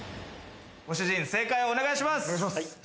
ご主人、正解をお願いします！